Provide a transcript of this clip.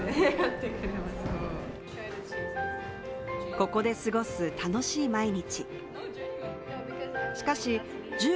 ここで過ごす楽しい毎日。